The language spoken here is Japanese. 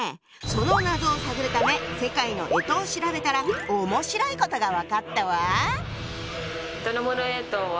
その謎を探るため世界の干支を調べたら面白いことが分かったわ！